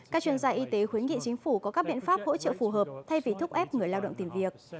các chuyên gia y tế khuyến nghị chính phủ có các biện pháp hỗ trợ phù hợp thay vì thúc ép người lao động tìm việc